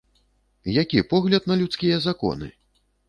Які погляд на людскія законы!